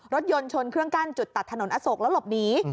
รถยนต์ชนเครื่องกั้นจุดตัดถนนอโศกแล้วหลบหนี